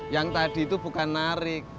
yang tadi itu bukan narik